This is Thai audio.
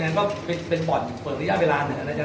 งั้นก็เป็นบอร์ดเปิดระยะเวลาหน่อยนะเจ้า